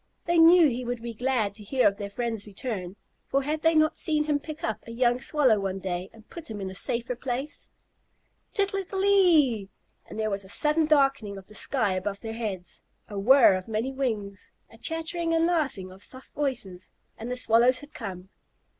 They knew he would be glad to hear of their friends' return, for had they not seen him pick up a young Swallow one day and put him in a safer place? "Tittle ittle ittle ee!" and there was a sudden darkening of the sky above their heads, a whirr of many wings, a chattering and laughing of soft voices, and the Swallows had come.